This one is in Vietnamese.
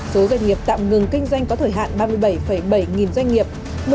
số doanh nghiệp tạm ngừng kinh doanh có thời hạn ba mươi bảy bảy nghìn doanh nghiệp